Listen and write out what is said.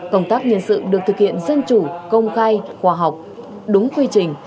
công tác nhân sự được thực hiện dân chủ công khai khoa học đúng quy trình